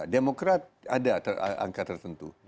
demokrat ada angka tertentu